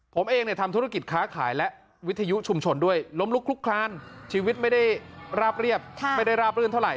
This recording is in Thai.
ผมเองทำธุรกิจค้าขายและวิทยุชุมชนด้วยล้มลุกลุกคลานชีวิตไม่ได้ราบเรียบไม่ได้ราบรื่นเท่าไห